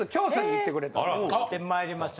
行ってまいりました。